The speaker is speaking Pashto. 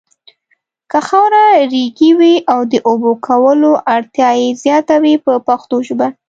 که خاوره ریګي وي د اوبو کولو اړتیا یې زیاته وي په پښتو ژبه.